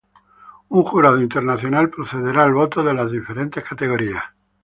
Un jurado internacional procederá al voto de las diferentes categorías.